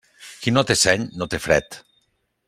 Qui no té seny, no té fred.